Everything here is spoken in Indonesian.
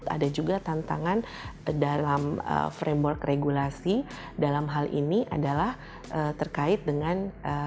ada juga tantangan dalam framework regulasi dalam hal ini adalah terkait dengan